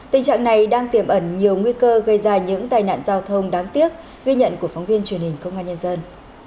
tình trạng này đang tiềm ẩn nhiều nguy cơ gây ra những tai nạn giao thông đáng tiếc ghi nhận của phóng viên truyền hình công an nhân dân